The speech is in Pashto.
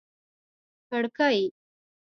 کړکۍ